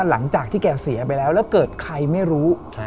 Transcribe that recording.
หลังจากที่แกเสียไปแล้วแล้วเกิดใครไม่รู้